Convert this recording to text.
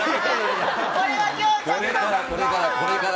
これは今日、ちょっと。